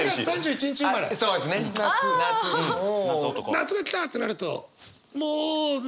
夏が来たってなるともう何？